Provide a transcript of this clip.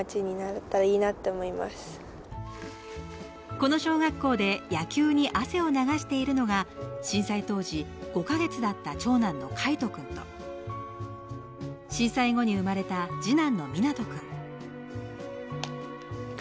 この小学校で野球に汗を流しているのが震災当時５か月だった長男の櫂斗君と、震災後に生まれた二男の湊斗君。